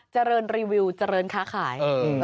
เจริญรีวิวเจริญค้าขาย